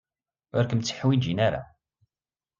Ur kem-tteḥwijin ara.